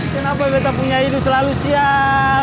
kenapa beta punya hidup selalu sial